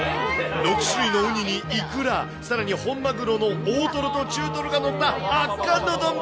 ６種類のウニにイクラ、さらに本マグロの大トロと中トロが載った圧巻の丼。